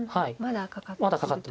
まだかかってる。